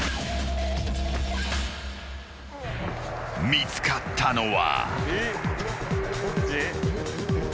見つかったのは。